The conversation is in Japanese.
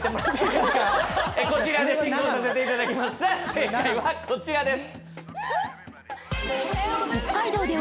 では、正解はこちらです。